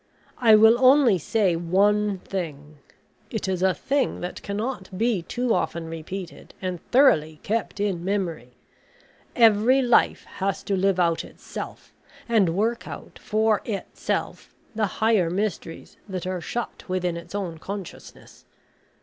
I will only say one thing it is a thing that cannot be too often repeated and thoroughly kept in memory. Every life has to live out itself, and work out for itself the higher mysteries that are shut within its own consciousness.